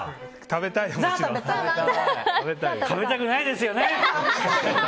食べたくないですよね？